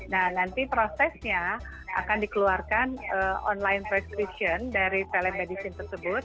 nah nanti prosesnya akan dikeluarkan online perspection dari telemedicine tersebut